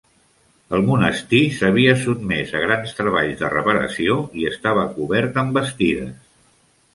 El monestir s'havia sotmès a grans treballs de reparació i estava cobert amb bastides.